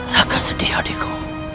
raka sedih adikku